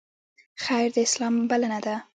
خیر د اسلام بلنه ده